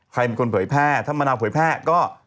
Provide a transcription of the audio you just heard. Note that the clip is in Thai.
ใครเป็นคนเผยแพร่ถ้ามะนาวเผยแพร่ก็